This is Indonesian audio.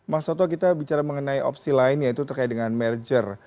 mas soto kita bicara mengenai opsi lain yaitu terkait dengan merger